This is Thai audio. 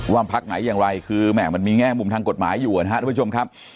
ว่าพักไหนอย่างไรคือแหม่มันมีแง่มุมทางกฎหมายอยู่นะครับทุกผู้ชมครับ